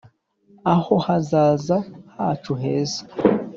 Aho hazaza hacu heza